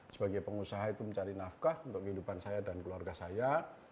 sebagai pengusaha itu mencari nafkah untuk kehidupan saya dan keluarga saya